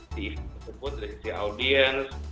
di sebut dari si audiens